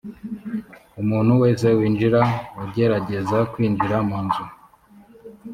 umuntu wese winjira ugerageza kwinjira mu nzu